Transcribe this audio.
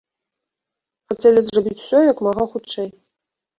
Хацелі зрабіць усё як мага хутчэй.